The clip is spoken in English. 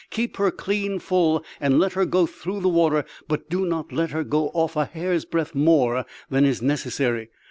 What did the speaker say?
Keep her clean full, and let her go through the water; but do not let her go off a hair's breadth more than is necessary.